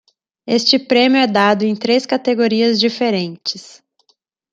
Este prêmio é dado em três categorias diferentes.